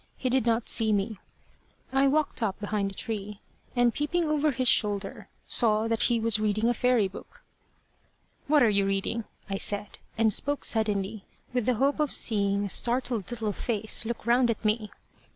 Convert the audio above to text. He did not see me. I walked up behind the tree, and peeping over his shoulder, saw that he was reading a fairy book. "What are you reading?" I said, and spoke suddenly, with the hope of seeing a startled little face look round at me.